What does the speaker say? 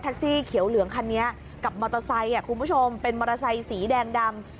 สีเขียวเหลืองคันนี้กับมอเตอร์ไซค์คุณผู้ชมเป็นมอเตอร์ไซค์สีแดงดำ